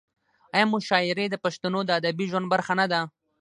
آیا مشاعرې د پښتنو د ادبي ژوند برخه نه ده؟